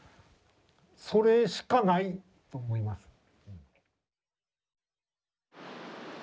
それしかないと思います。